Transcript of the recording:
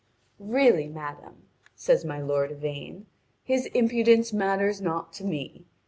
"Really, madame," says my lord Yvain, "his impudence matters not to me.